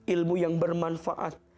ilmu yang bermanfaat